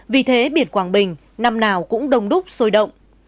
vì thế biển quảng bình năm nào cũng đông đúc sôi động